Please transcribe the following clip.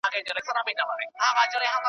مستي خاموشه کیسې سړې دي .